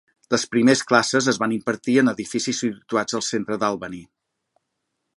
Les primers classes es van impartir en edificis situats al centre d'Albany.